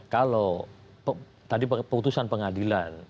kalau tadi putusan pengadilan